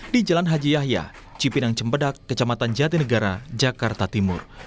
di jalan haji yahya cipinang cempedak kecamatan jatinegara jakarta timur